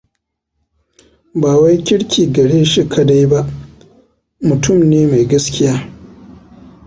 Ba wai kirki gare shi kadai ba, mutum ne mai gaskiya.